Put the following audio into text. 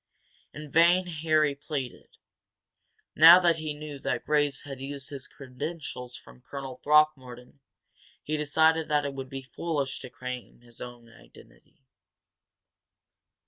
In vain Harry pleaded. Now that he knew that Graves had used his credentials from Colonel Throckmorton, he decided that it would be foolish to claim his own identity.